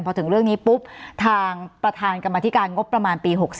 พอถึงเรื่องนี้ปุ๊บทางประธานกรรมธิการงบประมาณปี๖๓